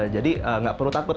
jadi nggak perlu takut